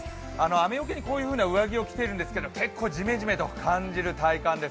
雨よけにこういうような上着を着ているんですがジメジメと感じる体感で。